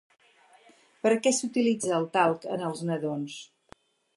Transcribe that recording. Per a què s'utilitza el talc en els nadons?